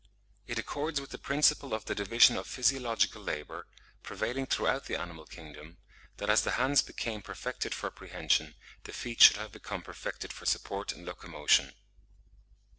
It accords with the principle of the division of physiological labour, prevailing throughout the animal kingdom, that as the hands became perfected for prehension, the feet should have become perfected for support and locomotion.